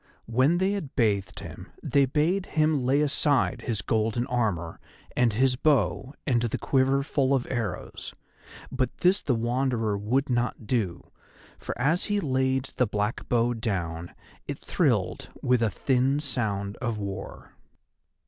When they had bathed him they bade him lay aside his golden armour and his bow and the quiver full of arrows, but this the Wanderer would not do, for as he laid the black bow down it thrilled with a thin sound of war.